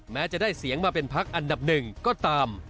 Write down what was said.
แม้จะได้เสียงมาเป็นพักอันดับหนึ่งก็ตาม